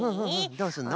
どうすんの？